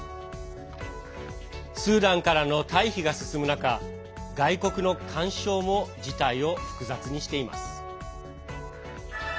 スーダンからの退避が進む中外国の干渉も事態を複雑にしています。